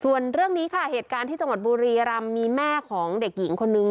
ส่วนเรื่องนี้ค่ะเหตุการณ์ที่จังหวัดบุรีรำมีแม่ของเด็กหญิงคนนึง